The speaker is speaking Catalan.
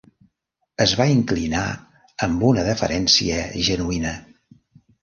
Es va inclinar amb una deferència genuïna.